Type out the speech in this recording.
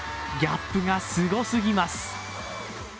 ギャップがすごすぎます。